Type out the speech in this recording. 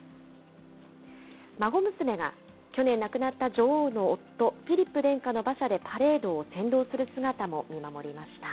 孫娘が去年亡くなった女王の夫、フィリップ殿下の馬車でパレードを先導する姿も見守りました。